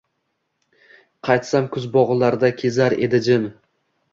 Qaytsam kuz bog‘larda kezar edi jim